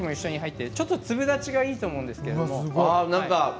ちょっと粒立ちがいいと思うんですけれども。